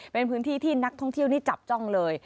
เป็นพื้นที่ที่นักท่องเที่ยวนี่จับจ้องเลย